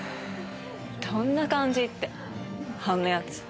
どんな感じってあんな奴。